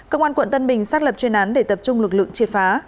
công an quận tân bình xác lập chuyên án để tập trung lực lượng triệt phá